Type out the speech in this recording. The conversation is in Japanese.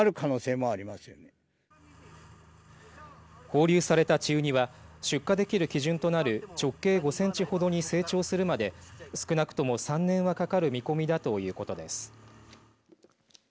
放流された稚ウニは出荷できる基準となる直径５センチほどに成長するまで少なくとも３年はかかる見込みだということです。